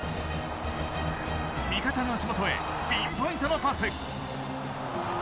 味方の足元へピンポイントのパス。